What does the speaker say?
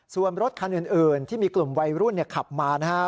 ส่วนรถคันอื่นที่มีกลุ่มวัยรุ่นขับมานะฮะ